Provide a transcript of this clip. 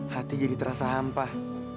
hati jadi terasa hampah